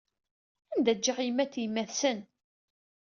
Anda ǧǧiɣ yemma-t yemma-t-sen?